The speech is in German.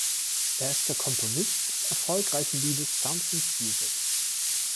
Er ist der Komponist des erfolgreichen Liedes "Somethin’ Stupid".